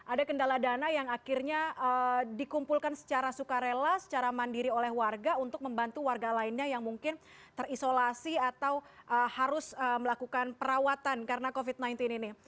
ada kendala dana yang akhirnya dikumpulkan secara sukarela secara mandiri oleh warga untuk membantu warga lainnya yang mungkin terisolasi atau harus melakukan perawatan karena covid sembilan belas ini